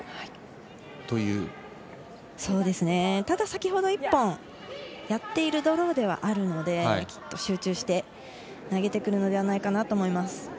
ただ、先ほど一本やっているドローではあるのできっと集中して投げてくるのではないかと思います。